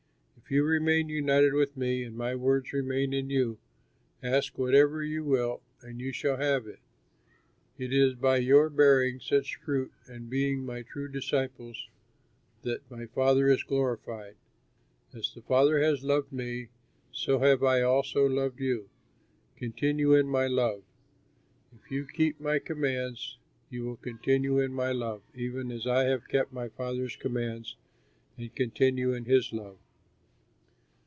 "If you remain united with me and my words remain in you, ask whatever you will and you shall have it. It is by your bearing much fruit and being my true disciples that my Father is glorified. As the Father has loved me, so have I also loved you; continue in my love. If you keep my commands, you will continue in my love, even as I have kept my Father's commands and continue in his love.